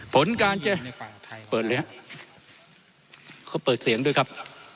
ผลการจะเปิดเลยครับเขาเปิดเสียงด้วยครับ